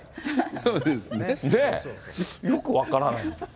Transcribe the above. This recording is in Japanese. そうですね。ね、よく分からない。